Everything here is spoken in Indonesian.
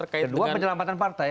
kedua penyelamatan partai